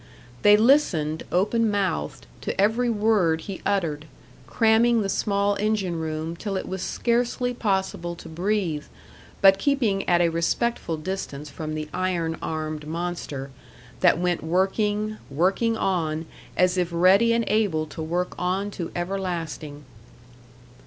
They listened open mouthed to every word he uttered, cramming the small engine room till it was scarcely possible to breathe, but keeping at a respectful distance from the iron armed monster, that went working, working on, as if ready and able to work on to everlasting.